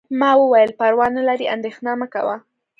ما وویل: پروا نه لري، اندیښنه مه کوه.